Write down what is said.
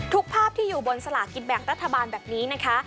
ภาพที่อยู่บนสลากินแบ่งรัฐบาลแบบนี้นะคะ